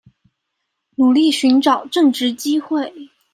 努力尋找正職機會